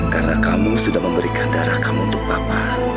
karena kamu sudah memberikan darah kamu untuk papa